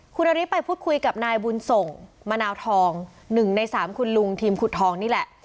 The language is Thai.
คุณนฤทธิไปพูดคุยกับนายบุญส่งมะนาวทอง๑ใน๓คุณลุงทีมขุดทองนี่แหละ